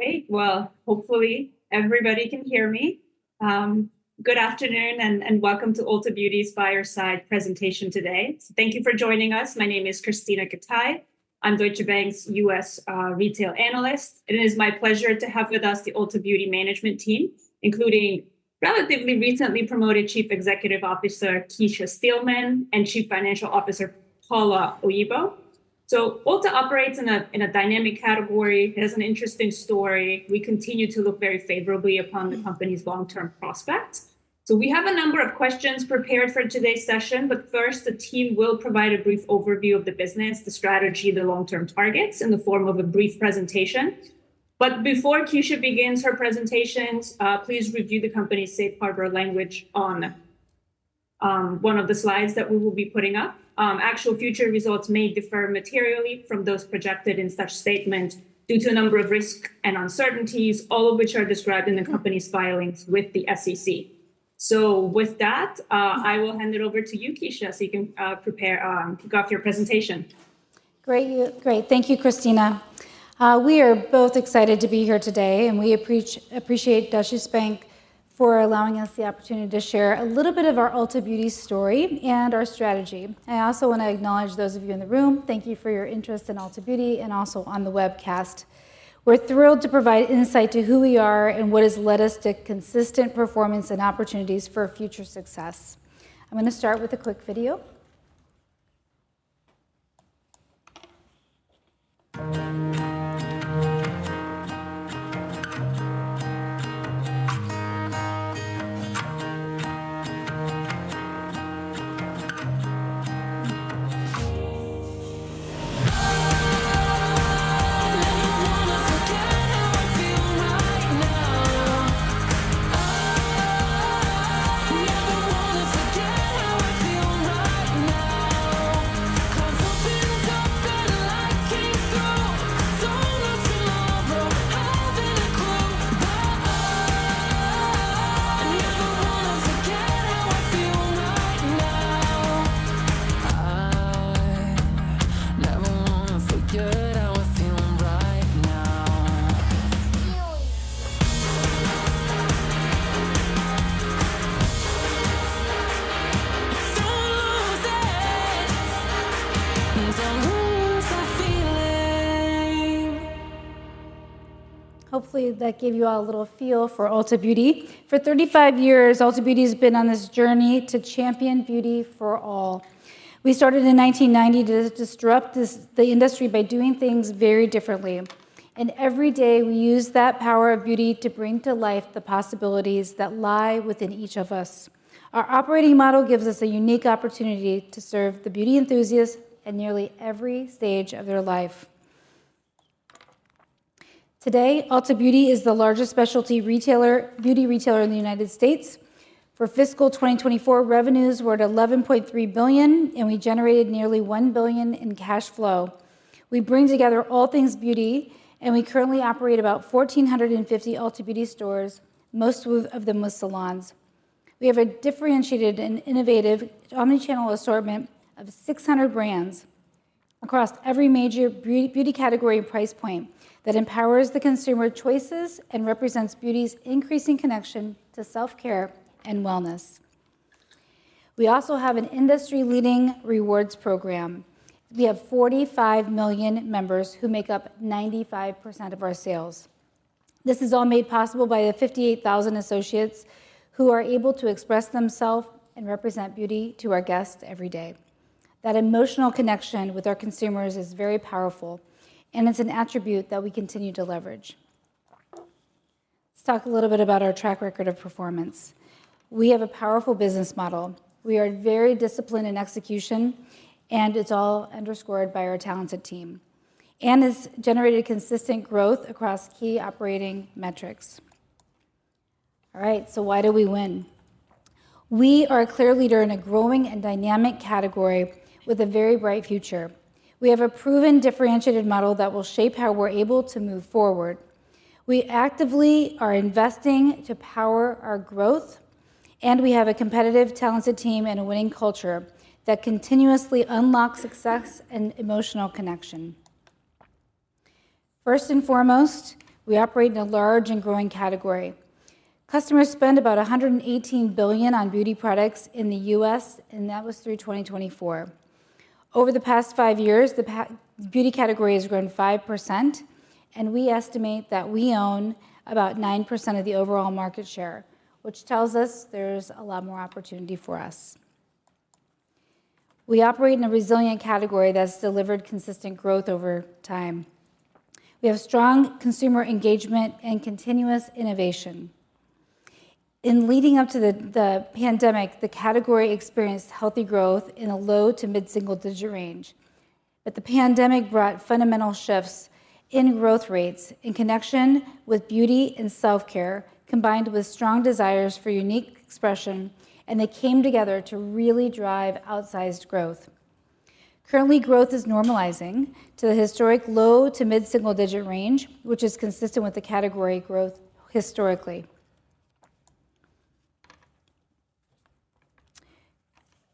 Great. Hopefully everybody can hear me. Good afternoon and welcome to Ulta Beauty's fireside presentation today. Thank you for joining us. My name is Christina Gatay. I'm Deutsche Bank's U.S. retail analyst. It is my pleasure to have with us the Ulta Beauty management team, including relatively recently promoted Chief Executive Officer Kecia Steelman and Chief Financial Officer Paula Oyibo. Ulta operates in a dynamic category. It has an interesting story. We continue to look very favorably upon the company's long-term prospects. We have a number of questions prepared for today's session. First, the team will provide a brief overview of the business, the strategy, and the long-term targets in the form of a brief presentation. Before Kecia begins her presentations, please review the company's safe harbor language on one of the slides that we will be putting up. Actual future results may differ materially from those projected in such statements due to a number of risks and uncertainties, all of which are described in the company's filings with the SEC. With that, I will hand it over to you, Kecia, so you can kick off your presentation. Great. Thank you, Christina. We are both excited to be here today, and we appreciate Deutsche Bank for allowing us the opportunity to share a little bit of our Ulta Beauty story and our strategy. I also want to acknowledge those of you in the room. Thank you for your interest in Ulta Beauty and also on the webcast. We're thrilled to provide insight to who we are and what has led us to consistent performance and opportunities for future success. I'm going to start with a quick video. I never want to forget how I feel right now. 'Cause hope is open, light came through. Don't know tomorrow, haven't a clue. But I never want to forget how I feel right now. I never want to forget how I feel right now. Don't lose it. Don't lose the feeling. Hopefully, that gave you all a little feel for Ulta Beauty. For 35 years, Ulta Beauty has been on this journey to champion beauty for all. We started in 1990 to disrupt the industry by doing things very differently. Every day, we use that power of beauty to bring to life the possibilities that lie within each of us. Our operating model gives us a unique opportunity to serve the beauty enthusiasts at nearly every stage of their life. Today, Ulta Beauty is the largest specialty beauty retailer in the United States. For fiscal 2024, revenues were at $11.3 billion, and we generated nearly $1 billion in cash flow. We bring together all things beauty, and we currently operate about 1,450 Ulta Beauty stores, most of them with salons. We have a differentiated and innovative omnichannel assortment of 600 brands across every major beauty category and price point that empowers the consumer choices and represents beauty's increasing connection to self-care and wellness. We also have an industry-leading rewards program. We have 45 million members who make up 95% of our sales. This is all made possible by the 58,000 associates who are able to express themselves and represent beauty to our guests every day. That emotional connection with our consumers is very powerful, and it's an attribute that we continue to leverage. Let's talk a little bit about our track record of performance. We have a powerful business model. We are very disciplined in execution, and it's all underscored by our talented team. It's generated consistent growth across key operating metrics. All right, so why do we win? We are a clear leader in a growing and dynamic category with a very bright future. We have a proven differentiated model that will shape how we're able to move forward. We actively are investing to power our growth, and we have a competitive, talented team, and a winning culture that continuously unlocks success and emotional connection. First and foremost, we operate in a large and growing category. Customers spend about $118 billion on beauty products in the U.S., and that was through 2024. Over the past five years, the beauty category has grown 5%, and we estimate that we own about 9% of the overall market share, which tells us there's a lot more opportunity for us. We operate in a resilient category that's delivered consistent growth over time. We have strong consumer engagement and continuous innovation. In leading up to the pandemic, the category experienced healthy growth in a low to mid-single-digit range. The pandemic brought fundamental shifts in growth rates in connection with beauty and self-care, combined with strong desires for unique expression, and they came together to really drive outsized growth. Currently, growth is normalizing to the historic low to mid-single-digit range, which is consistent with the category growth historically.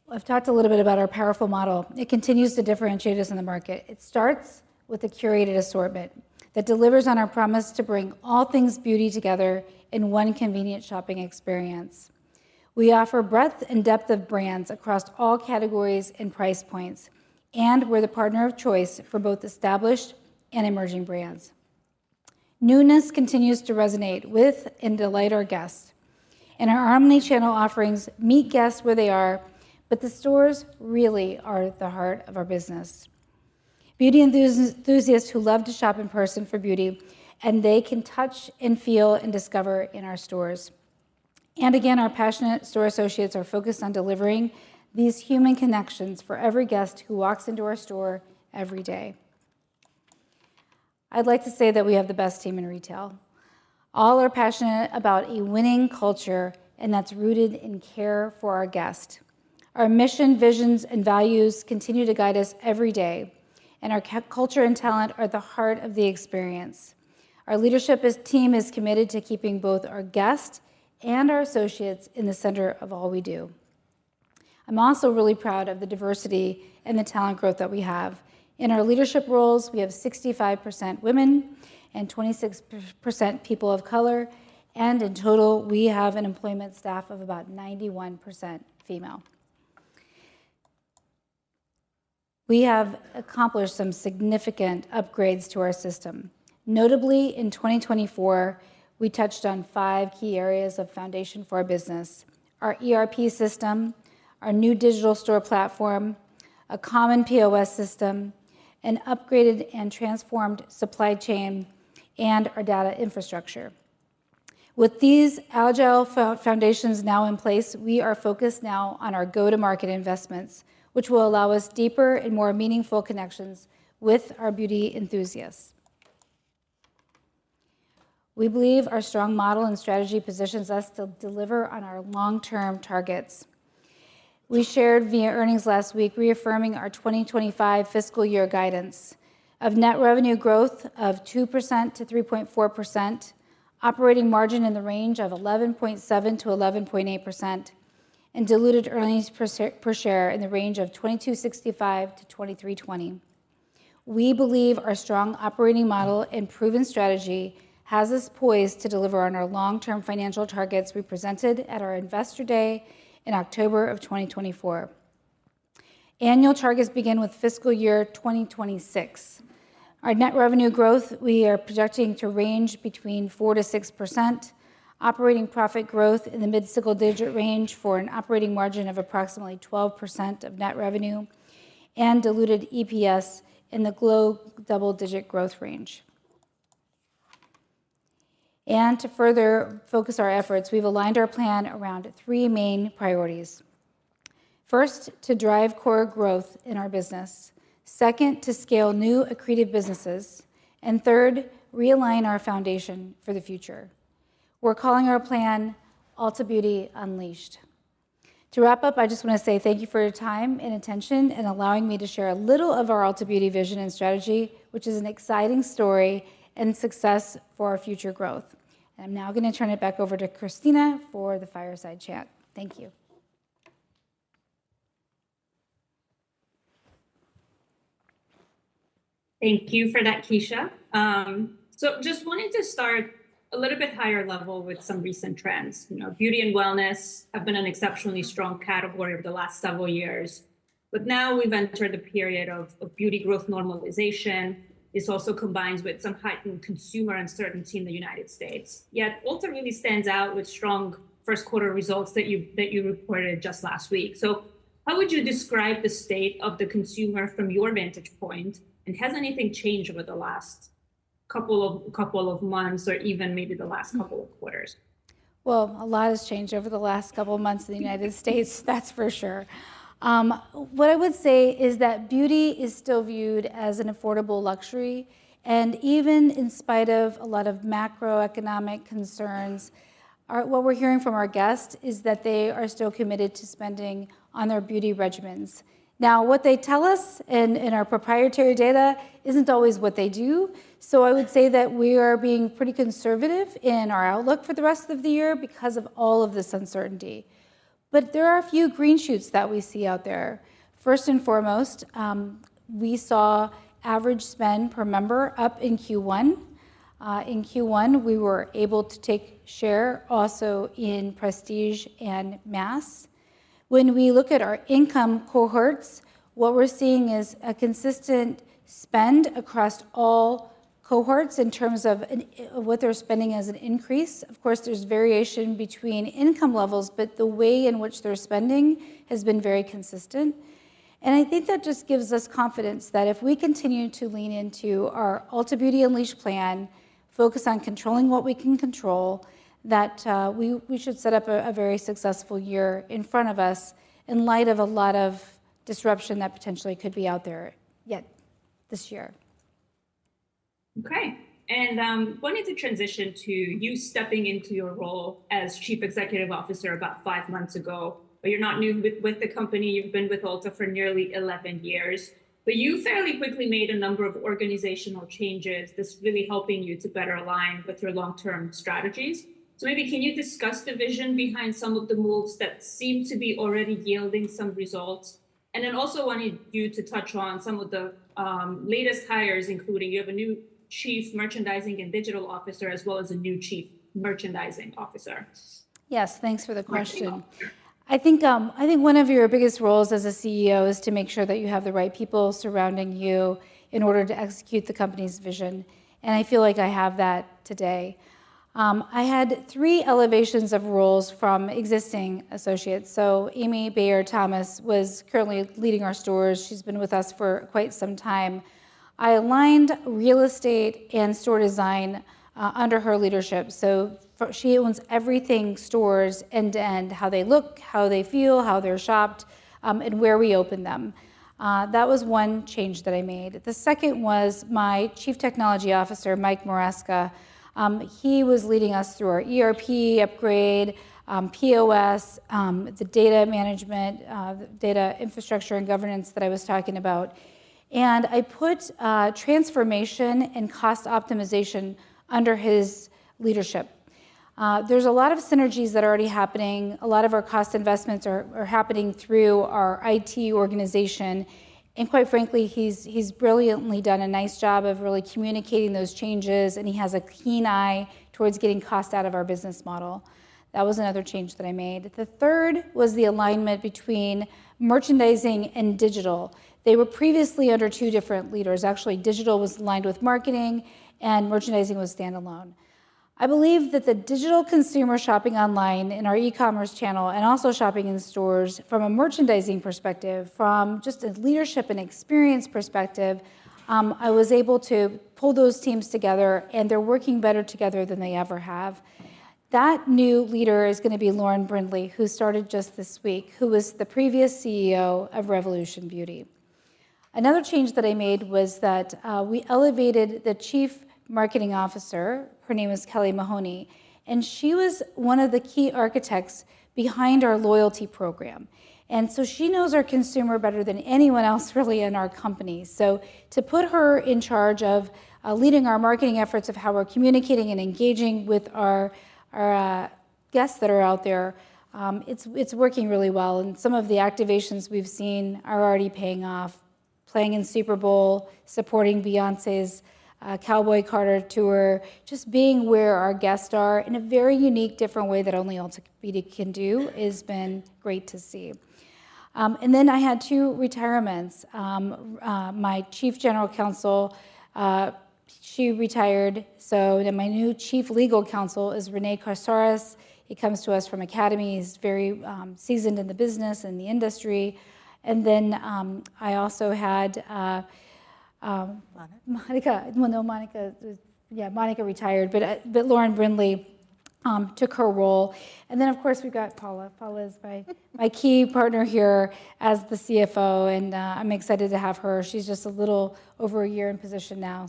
I've talked a little bit about our powerful model. It continues to differentiate us in the market. It starts with a curated assortment that delivers on our promise to bring all things beauty together in one convenient shopping experience. We offer breadth and depth of brands across all categories and price points and we're the partner of choice for both established and emerging brands. Newness continues to resonate with and delight our guests. In our omnichannel offerings, we meet guests where they are, but the stores really are at the heart of our business. Beauty enthusiasts who love to shop in person for beauty, they can touch and feel and discover in our stores. Our passionate store associates are focused on delivering these human connections for every guest who walks into our store every day. I'd like to say that we have the best team in retail. All are passionate about a winning culture, and that's rooted in care for our guest. Our mission, visions, and values continue to guide us every day, and our culture and talent are at the heart of the experience. Our leadership team is committed to keeping both our guests and our associates in the center of all we do. I'm also really proud of the diversity and the talent growth that we have. In our leadership roles, we have 65% women and 26% people of color, and in total, we have an employment staff of about 91% female. We have accomplished some significant upgrades to our system. Notably, in 2024, we touched on five key areas of foundation for our business: our ERP system, our new digital store platform, a common POS system, an upgraded and transformed supply chain, and our data infrastructure. With these agile foundations now in place, we are focused now on our go-to-market investments, which will allow us deeper and more meaningful connections with our beauty enthusiasts. We believe our strong model and strategy positions us to deliver on our long-term targets. We shared via earnings last week, reaffirming our 2025 fiscal year guidance of net revenue growth of 2%-3.4%, operating margin in the range of 11.7%-11.8%, and diluted earnings per share in the range of $22.65-$23.20. We believe our strong operating model and proven strategy has us poised to deliver on our long-term financial targets we presented at our investor day in October of 2024. Annual targets begin with fiscal year 2026. Our net revenue growth we are projecting to range between 4%-6%, operating profit growth in the mid-single-digit range for an operating margin of approximately 12% of net revenue, and diluted EPS in the global double-digit growth range. To further focus our efforts, we've aligned our plan around three main priorities. First, to drive core growth in our business. Second, to scale new accretive businesses. Third, realign our foundation for the future. We're calling our plan Ulta Beauty Unleashed. To wrap up, I just want to say thank you for your time and attention and allowing me to share a little of our Ulta Beauty vision and strategy, which is an exciting story and success for our future growth. I am now going to turn it back over to Christina for the fireside chat. Thank you. Thank you for that, Kecia. I just wanted to start a little bit higher level with some recent trends. Beauty and wellness have been an exceptionally strong category over the last several years. Now we have entered a period of beauty growth normalization. This also combines with some heightened consumer uncertainty in the United States. Yet Ulta really stands out with strong first-quarter results that you reported just last week. How would you describe the state of the consumer from your vantage point? Has anything changed over the last couple of months or even maybe the last couple of quarters? A lot has changed over the last couple of months in the United States, that's for sure. What I would say is that beauty is still viewed as an affordable luxury. Even in spite of a lot of macroeconomic concerns, what we're hearing from our guests is that they are still committed to spending on their beauty regimens. Now, what they tell us in our proprietary data isn't always what they do. I would say that we are being pretty conservative in our outlook for the rest of the year because of all of this uncertainty. There are a few green shoots that we see out there. First and foremost, we saw average spend per member up in Q1. In Q1, we were able to take share also in Prestige and Mass. When we look at our income cohorts, what we're seeing is a consistent spend across all cohorts in terms of what they're spending as an increase. Of course, there's variation between income levels, but the way in which they're spending has been very consistent. I think that just gives us confidence that if we continue to lean into our Ulta Beauty Unleashed plan, focus on controlling what we can control, we should set up a very successful year in front of us in light of a lot of disruption that potentially could be out there yet this year. Okay. I wanted to transition to you stepping into your role as Chief Executive Officer about five months ago. You are not new with the company. You have been with Ulta for nearly 11 years. You fairly quickly made a number of organizational changes, this really helping you to better align with your long-term strategies. Maybe can you discuss the vision behind some of the moves that seem to be already yielding some results? I also wanted you to touch on some of the latest hires, including you have a new Chief Merchandising and Digital Officer as well as a new Chief Merchandising Officer. Yes, thanks for the question. I think one of your biggest roles as a CEO is to make sure that you have the right people surrounding you in order to execute the company's vision. I feel like I have that today. I had three elevations of roles from existing associates. Amiee Bayer-Thomas was currently leading our stores. She's been with us for quite some time. I aligned real estate and store design under her leadership. She owns everything stores, end to end, how they look, how they feel, how they're shopped, and where we open them. That was one change that I made. The second was my Chief Technology Officer, Mike Maresca. He was leading us through our ERP upgrade, POS, the data management, data infrastructure, and governance that I was talking about. I put transformation and cost optimization under his leadership. There's a lot of synergies that are already happening. A lot of our cost investments are happening through our IT organization. Quite frankly, he's brilliantly done a nice job of really communicating those changes, and he has a keen eye towards getting cost out of our business model. That was another change that I made. The third was the alignment between merchandising and digital. They were previously under two different leaders. Actually, digital was aligned with marketing, and merchandising was standalone. I believe that the digital consumer shopping online in our e-commerce channel and also shopping in stores from a merchandising perspective, from just a leadership and experience perspective, I was able to pull those teams together, and they're working better together than they ever have. That new leader is going to be Lauren Brindley, who started just this week, who was the previous CEO of Revolution Beauty. Another change that I made was that we elevated the Chief Marketing Officer. Her name is Kelly Mahoney, and she was one of the key architects behind our loyalty program. And so she knows our consumer better than anyone else really in our company. To put her in charge of leading our marketing efforts of how we're communicating and engaging with our guests that are out there, it's working really well. Some of the activations we've seen are already paying off, playing in Super Bowl, supporting Beyoncé's Cowboy Carter tour, just being where our guests are in a very unique different way that only Ulta Beauty can do has been great to see. I had two retirements. My Chief General Counsel, she retired. My new Chief Legal Counsel is Renee Corsares. He comes to us from Academy. He's very seasoned in the business and the industry. I also had Monica. Monica? Monica, yeah, Monica retired, but Lauren Brindley took her role. Of course, we've got Paula. Paula is my key partner here as the CFO, and I'm excited to have her. She's just a little over a year in position now.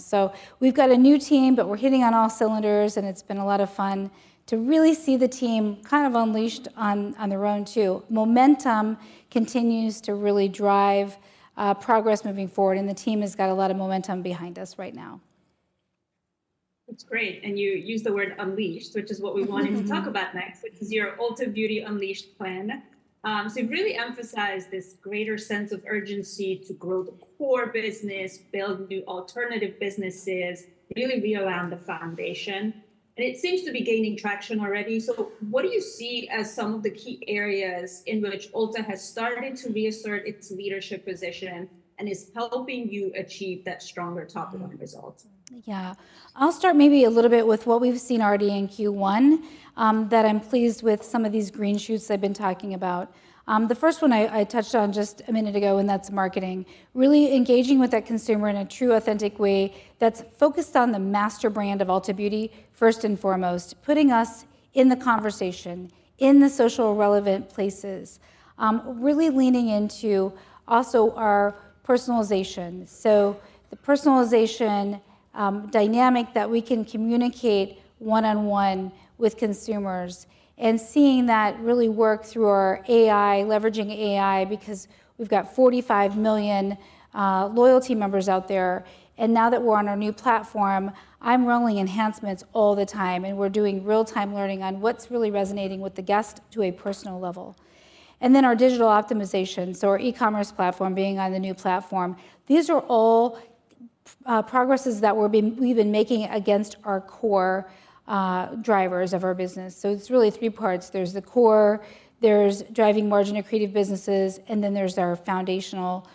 We've got a new team, but we're hitting on all cylinders, and it's been a lot of fun to really see the team kind of unleashed on their own too. Momentum continues to really drive progress moving forward, and the team has got a lot of momentum behind us right now. That's great. You used the word unleashed, which is what we wanted to talk about next, which is your Ulta Beauty Unleashed plan. You have really emphasized this greater sense of urgency to grow the core business, build new alternative businesses, really realign the foundation. It seems to be gaining traction already. What do you see as some of the key areas in which Ulta has started to reassert its leadership position and is helping you achieve that stronger top-down result? Yeah. I'll start maybe a little bit with what we've seen already in Q1 that I'm pleased with, some of these green shoots I've been talking about. The first one I touched on just a minute ago, and that's marketing. Really engaging with that consumer in a true, authentic way that's focused on the master brand of Ulta Beauty, first and foremost, putting us in the conversation, in the social relevant places, really leaning into also our personalization. The personalization dynamic that we can communicate one-on-one with consumers and seeing that really work through our AI, leveraging AI, because we've got 45 million loyalty members out there. Now that we're on our new platform, I'm rolling enhancements all the time, and we're doing real-time learning on what's really resonating with the guest to a personal level. Our digital optimization, our e-commerce platform being on the new platform, these are all progresses that we've been making against our core drivers of our business. It is really three parts. There is the core, there is driving margin accretive businesses, and then there is our foundational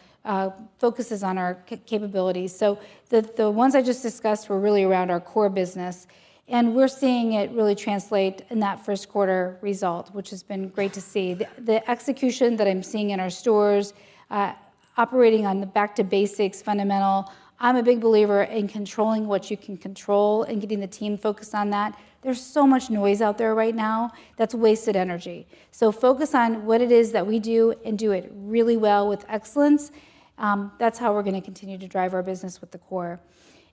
focuses on our capabilities. The ones I just discussed were really around our core business, and we are seeing it really translate in that first-quarter result, which has been great to see. The execution that I am seeing in our stores, operating on the back-to-basics fundamental, I am a big believer in controlling what you can control and getting the team focused on that. There is so much noise out there right now that is wasted energy. Focus on what it is that we do and do it really well with excellence. That is how we are going to continue to drive our business with the core.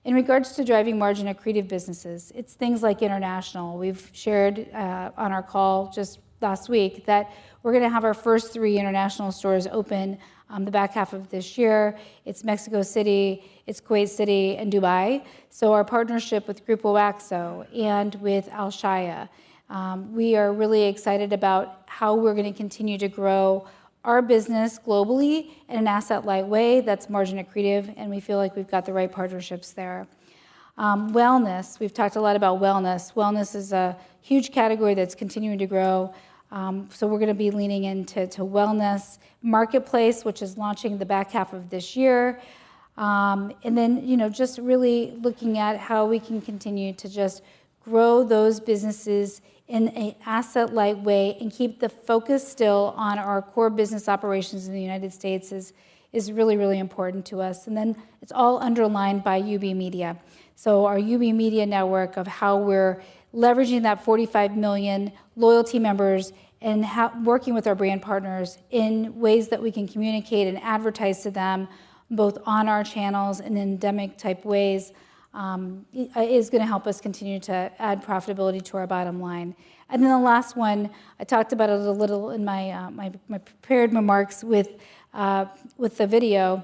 In regards to driving margin accretive businesses, it's things like international. We've shared on our call just last week that we're going to have our first three international stores open the back half of this year. It's Mexico City, it's Kuwait City, and Dubai. Our partnership with Grupo Axo and with Al Shaya, we are really excited about how we're going to continue to grow our business globally in an asset-light way that's margin accretive, and we feel like we've got the right partnerships there. Wellness, we've talked a lot about wellness. Wellness is a huge category that's continuing to grow. We're going to be leaning into wellness marketplace, which is launching the back half of this year. Just really looking at how we can continue to just grow those businesses in an asset-light way and keep the focus still on our core business operations in the United States is really, really important to us. It is all underlined by UB Media. Our UB Media network of how we are leveraging that 45 million loyalty members and working with our brand partners in ways that we can communicate and advertise to them both on our channels and endemic-type ways is going to help us continue to add profitability to our bottom line. The last one, I talked about it a little in my prepared remarks with the video.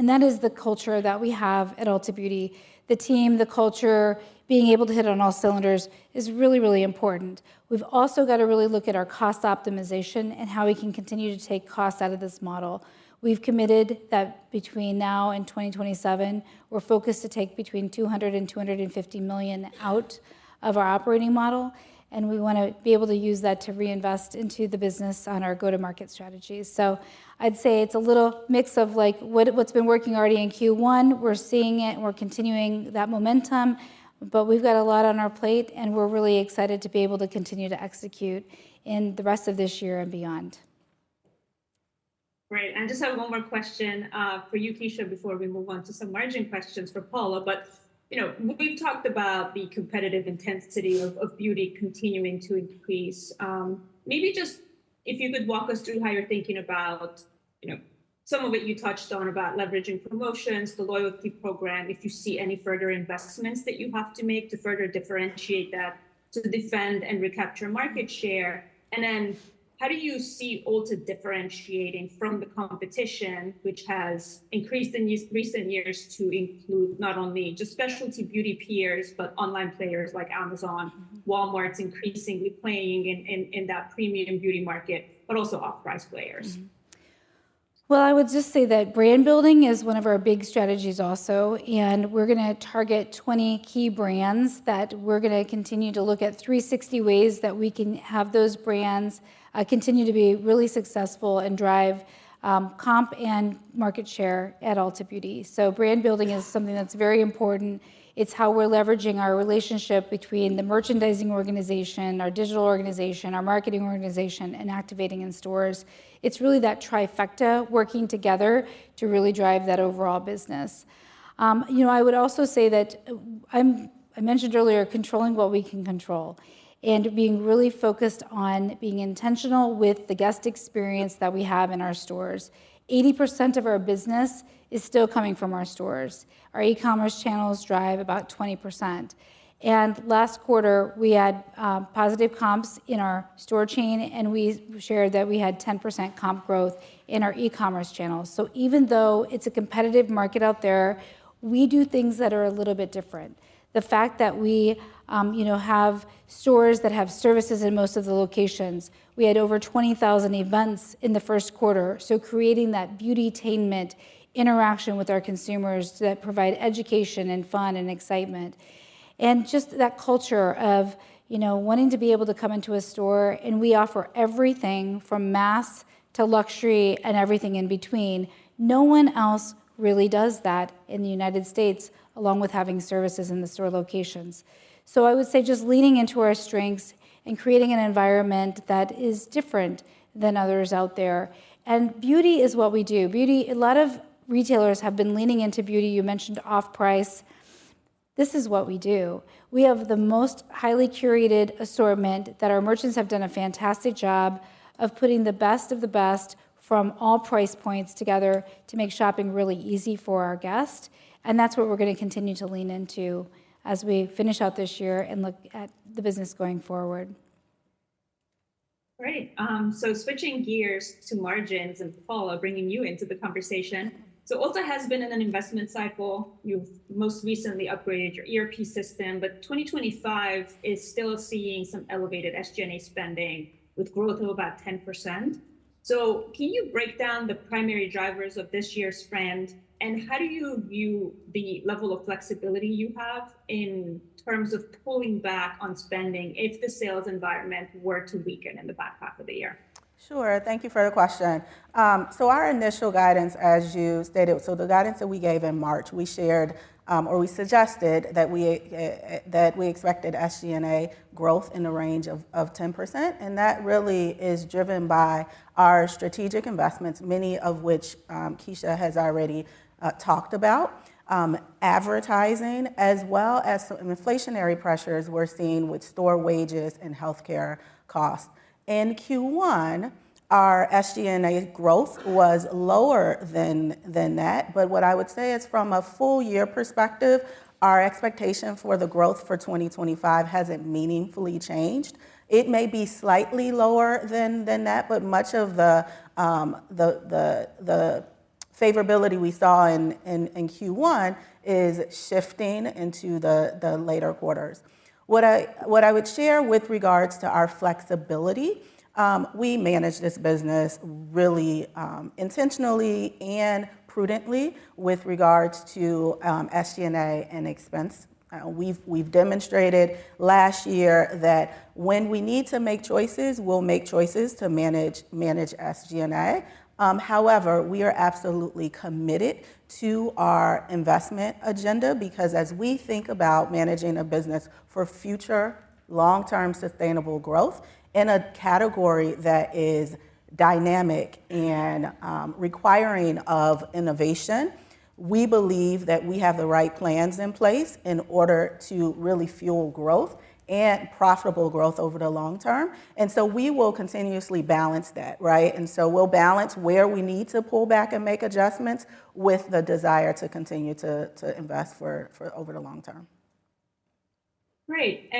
That is the culture that we have at Ulta Beauty. The team, the culture, being able to hit on all cylinders is really, really important. We've also got to really look at our cost optimization and how we can continue to take cost out of this model. We've committed that between now and 2027, we're focused to take between $200 million and $250 million out of our operating model, and we want to be able to use that to reinvest into the business on our go-to-market strategies. I'd say it's a little mix of what's been working already in Q1. We're seeing it, and we're continuing that momentum, but we've got a lot on our plate, and we're really excited to be able to continue to execute in the rest of this year and beyond. Great. I just have one more question for you, Kecia, before we move on to some margin questions for Paula. We've talked about the competitive intensity of beauty continuing to increase. Maybe just if you could walk us through how you're thinking about some of it you touched on about leveraging promotions, the loyalty program, if you see any further investments that you have to make to further differentiate that to defend and recapture market share. How do you see Ulta differentiating from the competition, which has increased in recent years to include not only just specialty beauty peers, but online players like Amazon, Walmart's increasingly playing in that premium beauty market, but also authorized players? Brand building is one of our big strategies also. We are going to target 20 key brands that we are going to continue to look at 360 ways that we can have those brands continue to be really successful and drive comp and market share at Ulta PD. Brand building is something that is very important. It is how we are leveraging our relationship between the merchandising organization, our digital organization, our marketing organization, and activating in stores. It is really that trifecta working together to really drive that overall business. I would also say that I mentioned earlier controlling what we can control and being really focused on being intentional with the guest experience that we have in our stores. 80% of our business is still coming from our stores. Our e-commerce channels drive about 20%. Last quarter, we had positive comps in our store chain, and we shared that we had 10% comp growth in our e-commerce channels. Even though it is a competitive market out there, we do things that are a little bit different. The fact that we have stores that have services in most of the locations, we had over 20,000 events in the first quarter. Creating that beautytainment interaction with our consumers provides education and fun and excitement. Just that culture of wanting to be able to come into a store, and we offer everything from mass to luxury and everything in between. No one else really does that in the United States, along with having services in the store locations. I would say just leaning into our strengths and creating an environment that is different than others out there. Beauty is what we do. A lot of retailers have been leaning into beauty. You mentioned off-price. This is what we do. We have the most highly curated assortment that our merchants have done a fantastic job of putting the best of the best from all price points together to make shopping really easy for our guests. That is what we are going to continue to lean into as we finish out this year and look at the business going forward. Great. Switching gears to margins and Paula, bringing you into the conversation. Ulta has been in an investment cycle. You've most recently upgraded your ERP system, but 2025 is still seeing some elevated SG&A spending with growth of about 10%. Can you break down the primary drivers of this year's trend, and how do you view the level of flexibility you have in terms of pulling back on spending if the sales environment were to weaken in the back half of the year? Sure. Thank you for the question. Our initial guidance, as you stated, the guidance that we gave in March, we shared or we suggested that we expected SG&A growth in the range of 10%. That really is driven by our strategic investments, many of which Kecia has already talked about, advertising, as well as some inflationary pressures we are seeing with store wages and healthcare costs. In Q1, our SG&A growth was lower than that. What I would say is from a full-year perspective, our expectation for the growth for 2025 has not meaningfully changed. It may be slightly lower than that, but much of the favorability we saw in Q1 is shifting into the later quarters. What I would share with regards to our flexibility, we manage this business really intentionally and prudently with regards to SG&A and expense have demonstrated last year that when we need to make choices, we will make choices to manage SG&A. However, we are absolutely committed to our investment agenda because as we think about managing a business for future long-term sustainable growth in a category that is dynamic and requiring innovation, we believe that we have the right plans in place in order to really fuel growth and profitable growth over the long term. We will continuously balance that, right? We will balance where we need to pull back and make adjustments with the desire to continue to invest for over the long term. Great.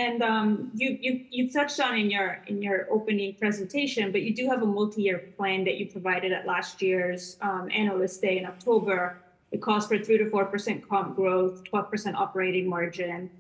You touched on in your opening presentation, but you do have a multi-year plan that you provided at last year's analyst day in October. It calls for 2%-4% comp growth, 12% operating margin.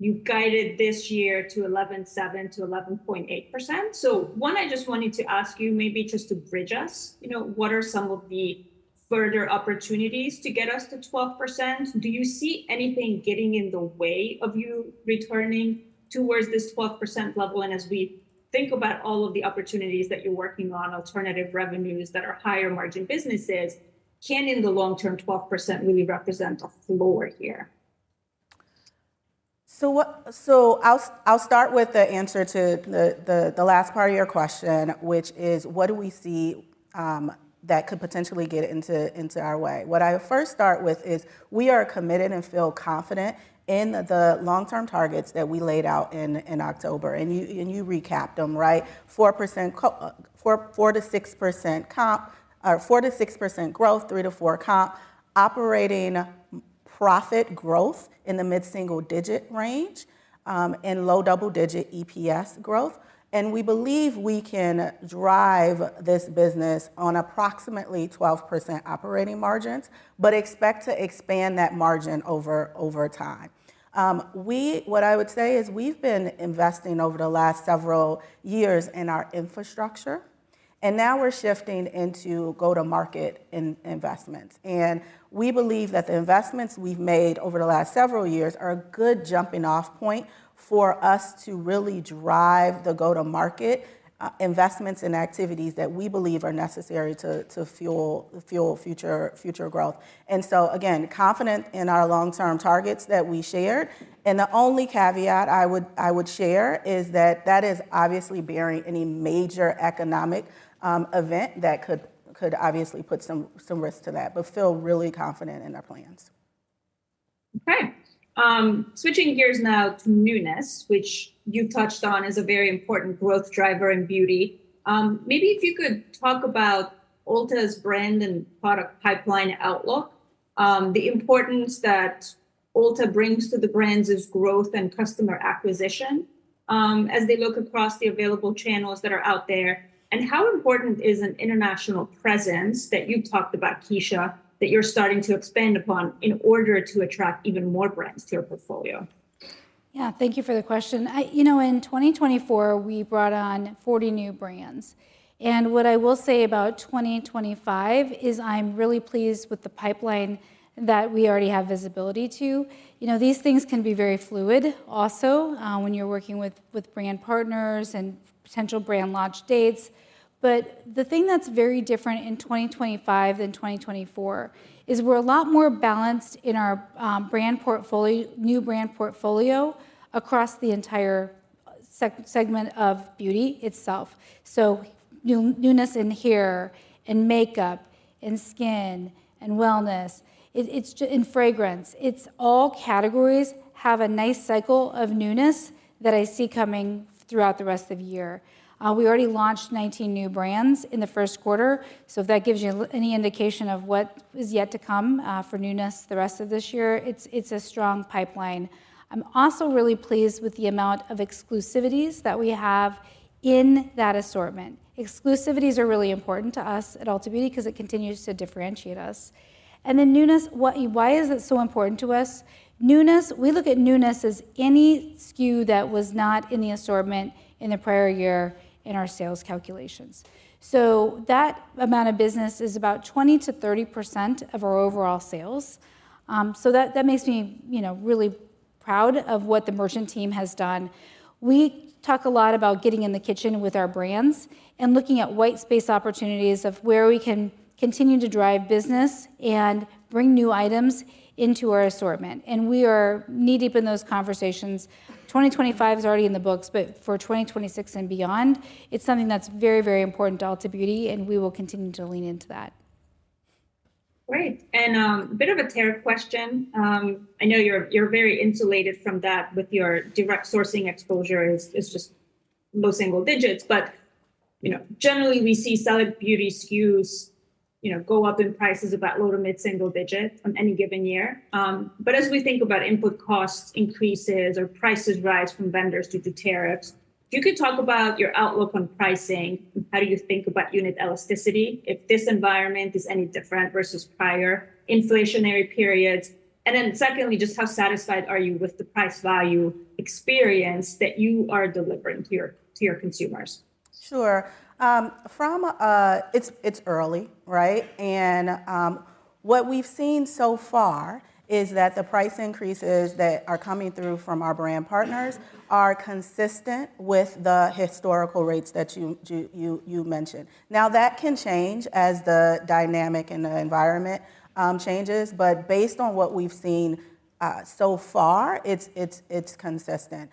You guided this year to 11.7%-11.8%. One, I just wanted to ask you, maybe just to bridge us, what are some of the further opportunities to get us to 12%? Do you see anything getting in the way of you returning towards this 12% level? As we think about all of the opportunities that you're working on, alternative revenues that are higher margin businesses, can in the long term, 12% really represent a floor here? I'll start with the answer to the last part of your question, which is, what do we see that could potentially get into our way? What I first start with is we are committed and feel confident in the long-term targets that we laid out in October. You recapped them, right? 4%-6% comp, or 4%-6% growth, 3%-4% comp, operating profit growth in the mid-single-digit range, and low double-digit EPS growth. We believe we can drive this business on approximately 12% operating margins, but expect to expand that margin over time. What I would say is we've been investing over the last several years in our infrastructure, and now we're shifting into go-to-market investments. We believe that the investments we have made over the last several years are a good jumping-off point for us to really drive the go-to-market investments and activities that we believe are necessary to fuel future growth. Again, confident in our long-term targets that we shared. The only caveat I would share is that that is obviously bearing any major economic event that could obviously put some risk to that, but feel really confident in our plans. Okay. Switching gears now to newness, which you've touched on as a very important growth driver in beauty. Maybe if you could talk about Ulta's brand and product pipeline outlook, the importance that Ulta brings to the brands is growth and customer acquisition as they look across the available channels that are out there. How important is an international presence that you've talked about, Kecia, that you're starting to expand upon in order to attract even more brands to your portfolio? Yeah, thank you for the question. You know, in 2024, we brought on 40 new brands. What I will say about 2025 is I'm really pleased with the pipeline that we already have visibility to. These things can be very fluid also when you're working with brand partners and potential brand launch dates. The thing that's very different in 2025 than 2024 is we're a lot more balanced in our new brand portfolio across the entire segment of beauty itself. Newness in hair and makeup and skin and wellness and fragrance. All categories have a nice cycle of newness that I see coming throughout the rest of the year. We already launched 19 new brands in the first quarter. If that gives you any indication of what is yet to come for newness the rest of this year, it's a strong pipeline. I'm also really pleased with the amount of exclusivities that we have in that assortment. Exclusivities are really important to us at Ulta Beauty because it continues to differentiate us. Newness, why is it so important to us? Newness, we look at newness as any SKU that was not in the assortment in the prior year in our sales calculations. That amount of business is about 20%-30% of our overall sales. That makes me really proud of what the merchant team has done. We talk a lot about getting in the kitchen with our brands and looking at white space opportunities of where we can continue to drive business and bring new items into our assortment. We are knee-deep in those conversations. 2025 is already in the books, but for 2026 and beyond, it's something that's very, very important to Ulta Beauty, and we will continue to lean into that. Great. A bit of a tariff question. I know you're very insulated from that with your direct sourcing exposure is just low single digits, but generally, we see solid beauty SKUs go up in prices about low to mid-single digits on any given year. As we think about input cost increases or prices rise from vendors due to tariffs, if you could talk about your outlook on pricing, how do you think about unit elasticity if this environment is any different versus prior inflationary periods? Secondly, just how satisfied are you with the price value experience that you are delivering to your consumers? Sure. It's early, right? What we've seen so far is that the price increases that are coming through from our brand partners are consistent with the historical rates that you mentioned. That can change as the dynamic and the environment changes, but based on what we've seen so far, it's consistent.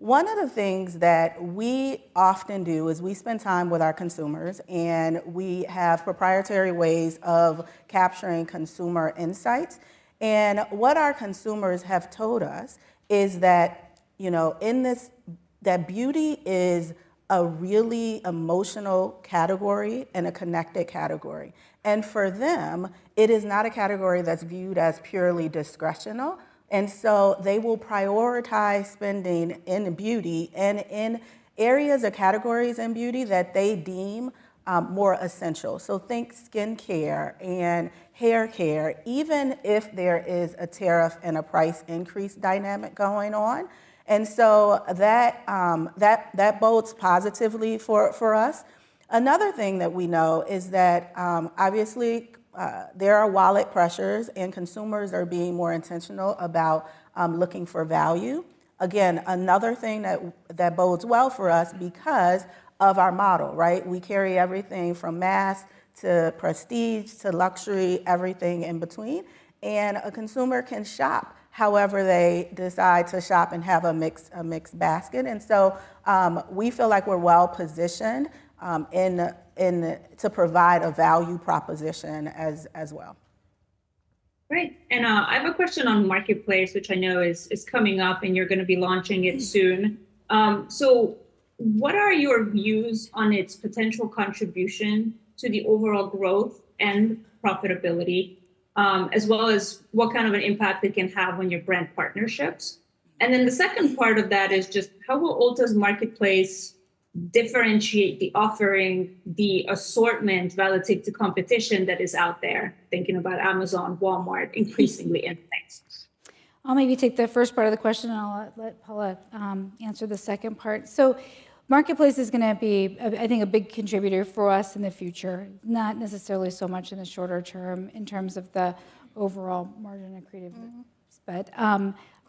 One of the things that we often do is we spend time with our consumers, and we have proprietary ways of capturing consumer insights. What our consumers have told us is that beauty is a really emotional category and a connected category. For them, it is not a category that's viewed as purely discretional. They will prioritize spending in beauty and in areas or categories in beauty that they deem more essential. Think skincare and haircare, even if there is a tariff and a price increase dynamic going on. That bodes positively for us. Another thing that we know is that obviously there are wallet pressures and consumers are being more intentional about looking for value. Again, another thing that bodes well for us because of our model, right? We carry everything from mass to prestige to luxury, everything in between. A consumer can shop however they decide to shop and have a mixed basket. We feel like we're well positioned to provide a value proposition as well. Great. I have a question on Marketplace, which I know is coming up and you're going to be launching it soon. What are your views on its potential contribution to the overall growth and profitability, as well as what kind of an impact it can have on your brand partnerships? The second part of that is just how will Ulta's Marketplace differentiate the offering, the assortment relative to competition that is out there, thinking about Amazon, Walmart, increasingly in place? I'll maybe take the first part of the question and I'll let Paula answer the second part. Marketplace is going to be, I think, a big contributor for us in the future, not necessarily so much in the shorter term in terms of the overall margin and creative spend.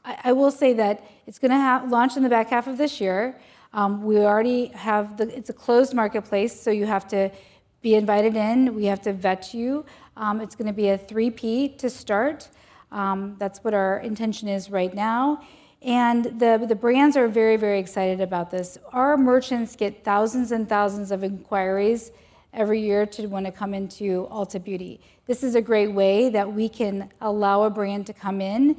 I will say that it's going to launch in the back half of this year. We already have the, it's a closed marketplace, so you have to be invited in. We have to vet you. It's going to be a 3P to start. That's what our intention is right now. The brands are very, very excited about this. Our merchants get thousands and thousands of inquiries every year to want to come into Ulta Beauty. This is a great way that we can allow a brand to come in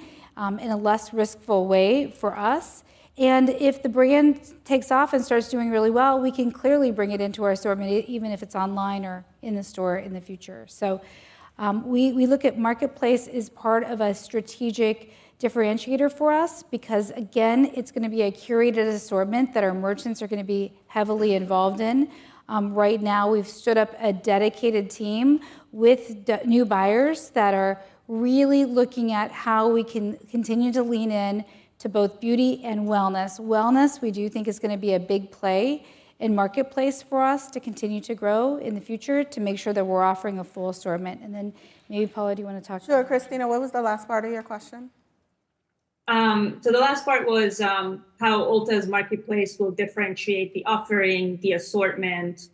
in a less riskful way for us. If the brand takes off and starts doing really well, we can clearly bring it into our assortment, even if it's online or in the store in the future. We look at Marketplace as part of a strategic differentiator for us because, again, it's going to be a curated assortment that our merchants are going to be heavily involved in. Right now, we've stood up a dedicated team with new buyers that are really looking at how we can continue to lean into both beauty and wellness. Wellness, we do think, is going to be a big play in Marketplace for us to continue to grow in the future to make sure that we're offering a full assortment. Maybe Paula, do you want to talk? Sure, Christina, what was the last part of your question? The last part was how Ulta's Marketplace will differentiate the offering, the assortment,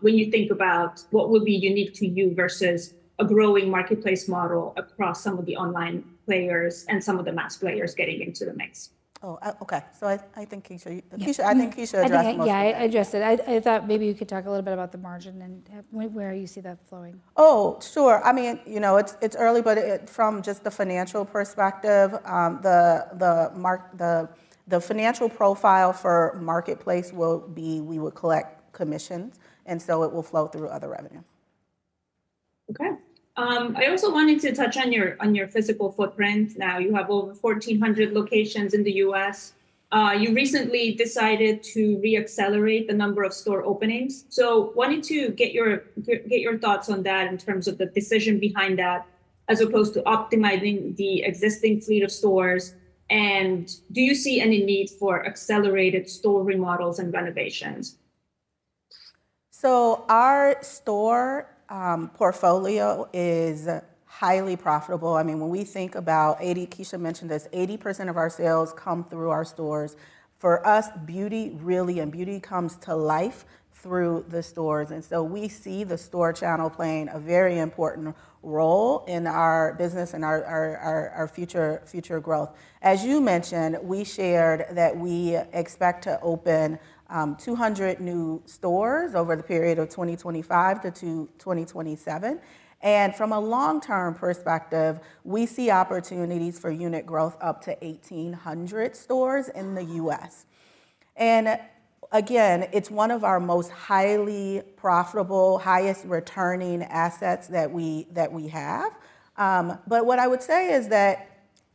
when you think about what would be unique to you versus a growing Marketplace model across some of the online players and some of the mass players getting into the mix. Oh, okay. So I think Kecia addressed most of that. Yeah, I addressed it. I thought maybe you could talk a little bit about the margin and where you see that flowing. Oh, sure. I mean, you know it's early, but from just the financial perspective, the financial profile for Marketplace will be we will collect commissions, and so it will flow through other revenue. Okay. I also wanted to touch on your physical footprint. Now, you have over 1,400 locations in the U.S. You recently decided to re-accelerate the number of store openings. Wanted to get your thoughts on that in terms of the decision behind that as opposed to optimizing the existing fleet of stores. Do you see any need for accelerated store remodels and renovations? Our store portfolio is highly profitable. I mean, when we think about it, Kecia mentioned this, 80% of our sales come through our stores. For us, beauty really, and beauty comes to life through the stores. We see the store channel playing a very important role in our business and our future growth. As you mentioned, we shared that we expect to open 200 new stores over the period of 2025 to 2027. From a long-term perspective, we see opportunities for unit growth up to 1,800 stores in the U.S. Again, it is one of our most highly profitable, highest returning assets that we have. What I would say is that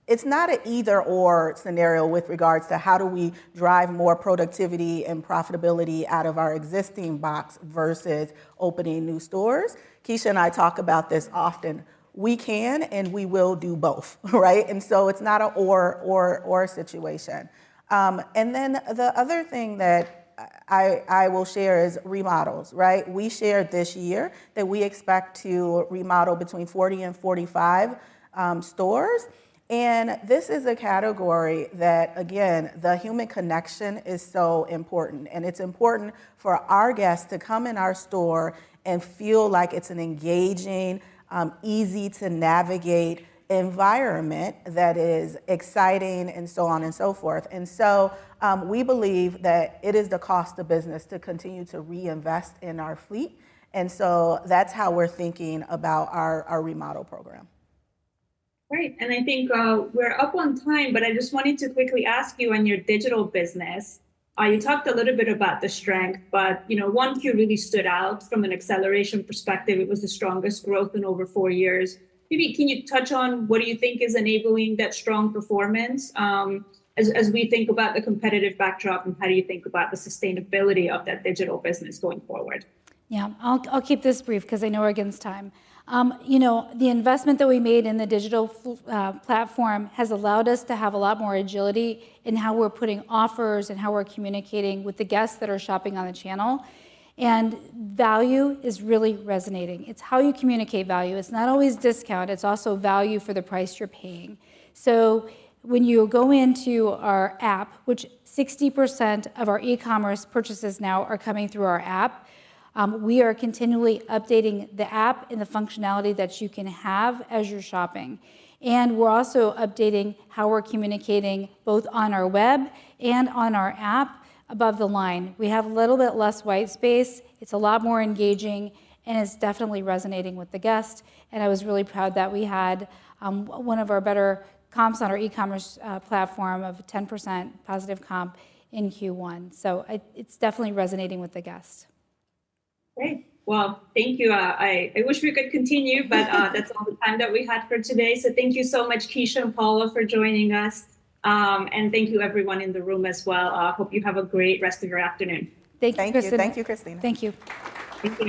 it is not an either/or scenario with regards to how do we drive more productivity and profitability out of our existing box versus opening new stores. Kecia and I talk about this often. We can and we will do both, right? It is not an or or or situation. The other thing that I will share is remodels, right? We shared this year that we expect to remodel between 40 and 45 stores. This is a category that, again, the human connection is so important. It is important for our guests to come in our store and feel like it is an engaging, easy-to-navigate environment that is exciting and so on and so forth. We believe that it is the cost of business to continue to reinvest in our fleet. That is how we are thinking about our remodel program. Great. I think we're up on time, but I just wanted to quickly ask you on your digital business. You talked a little bit about the strength, but one key really stood out from an acceleration perspective. It was the strongest growth in over four years. Maybe can you touch on what do you think is enabling that strong performance as we think about the competitive backdrop and how do you think about the sustainability of that digital business going forward? Yeah, I'll keep this brief because I know we're against time. You know, the investment that we made in the digital platform has allowed us to have a lot more agility in how we're putting offers and how we're communicating with the guests that are shopping on the channel. Value is really resonating. It's how you communicate value. It's not always discount. It's also value for the price you're paying. When you go into our app, which 60% of our e-commerce purchases now are coming through our app, we are continually updating the app and the functionality that you can have as you're shopping. We are also updating how we're communicating both on our web and on our app above the line. We have a little bit less white space. It's a lot more engaging and it's definitely resonating with the guest. I was really proud that we had one of our better comps on our e-commerce platform of 10% positive comp in Q1. It is definitely resonating with the guest. Great. Thank you. I wish we could continue, but that's all the time that we had for today. Thank you so much, Kecia and Paula, for joining us. Thank you everyone in the room as well. I hope you have a great rest of your afternoon. Thank you, Christina. Thank you, Christina. Thank you.